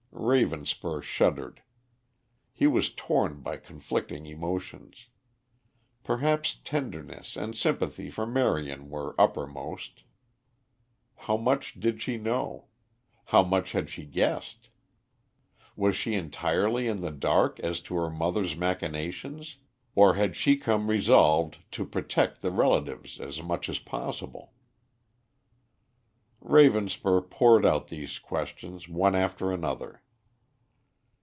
Ravenspur shuddered. He was torn by conflicting emotions. Perhaps tenderness and sympathy for Marion were uppermost. How much did she know? How much had she guessed? Was she entirely in the dark as to her mother's machinations, or had she come resolved to protect the relatives as much as possible? Ravenspur poured out these questions one after another.